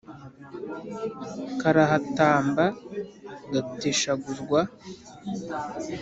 karahatamba gateshaguzwa,